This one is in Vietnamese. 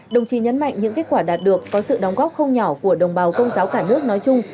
đồng chí nhấn mạnh những kết quả đạt được có sự đóng góp không nhỏ của đồng bào công giáo cả nước nói chung